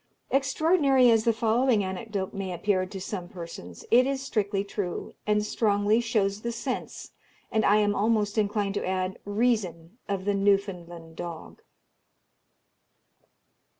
Extraordinary as the following anecdote may appear to some persons, it is strictly true, and strongly shows the sense, and I am almost inclined to add, reason of the Newfoundland dog.